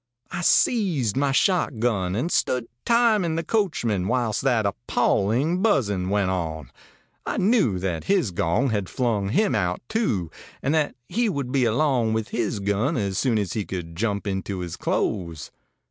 I seized my shotgun, and stood timing the coachman whilst that appalling buzzing went on. I knew that his gong had flung him out, too, and that he would be along with his gun as soon as he could jump into his clothes.